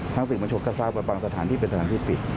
ทั้งตึกบัญชกษาสถานที่เป็นสถานที่ปิด